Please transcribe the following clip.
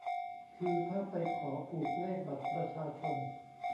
คือถ้าไปขอผูกเลขบัตรประชาชน